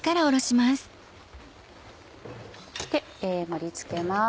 盛り付けます。